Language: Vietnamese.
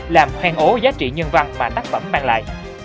làm hoen ố giá trị nhân văn và tác phẩm mang lại